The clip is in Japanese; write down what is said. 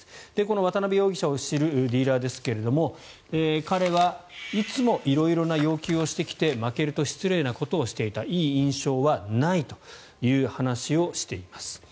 渡邉容疑者を知るディーラーですが彼はいつも色々な要求をしてきて負けると失礼なことをしていたいい印象はないという話をしています。